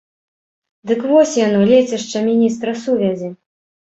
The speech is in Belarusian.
Дык вось яно, лецішча міністра сувязі.